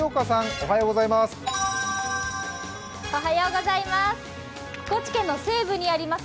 おはようございます。